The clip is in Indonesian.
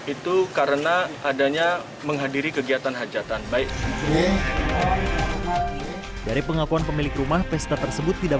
itu karena adanya menghadiri kegiatan hajatan baik dari pengakuan pemilik rumah pesta tersebut tidak